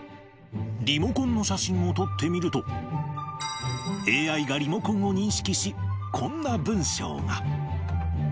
リモコンの写真を撮ってみると、ＡＩがリモコンを認識し、こんな文章が。